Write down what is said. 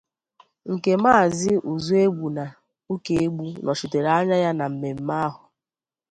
nke Maazị Uzuegbuna Okagbue nọchitere anya ya na mmemme ahụ